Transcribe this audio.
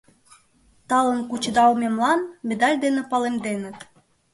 Талын кучедалмемлан медаль дене палемденыт».